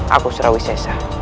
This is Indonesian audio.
aku surawi sesa